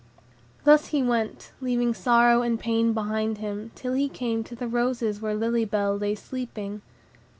Thus he went, leaving sorrow and pain behind him, till he came to the roses where Lily Bell lay sleeping.